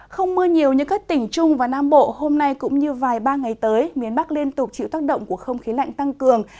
không mưa nhiều như các tỉnh trung và nam bộ hôm nay cũng như vài ba ngày tới miền bắc liên tục chịu tác động của không khí lạnh tăng cường